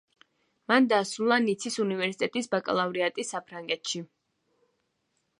მან დაასრულა ნიცის უნივერსიტეტის ბაკალავრიატი საფრანგეთში.